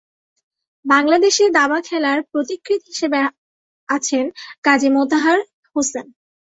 বাংলাদেশে দাবা খেলার পথিকৃৎ হিসেবে আছেন কাজী মোতাহার হোসেন।